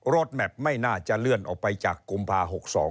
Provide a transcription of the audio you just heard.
แมพไม่น่าจะเลื่อนออกไปจากกุมภา๖๒